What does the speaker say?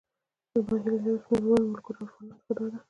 زما هيله له يو شمېر وروڼو، ملګرو او افغانانو څخه داده.